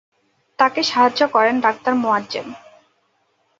তাকে সাহায্য করেন ডাক্তার মোয়াজ্জেম।